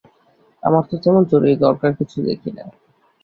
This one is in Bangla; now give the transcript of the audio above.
আমার তো তেমন জরুরি দরকার কিছু দেখি না।